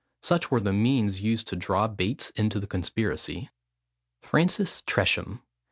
Such were the means used to draw Bates into the conspiracy. FRANCIS TRESHAM.